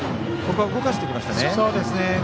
ここは動かしてきましたね。